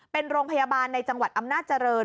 เป็นโรงพยาบาลในจังหวัดอำนาจเจริญ